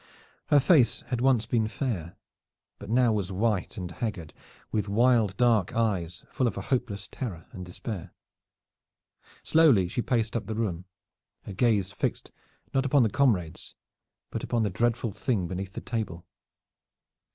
Her face had once been fair, but now was white and haggard with wild dark eyes full of a hopeless terror and despair. Slowly she paced up the room, her gaze fixed not upon the comrades, but upon the dreadful thing beneath the table.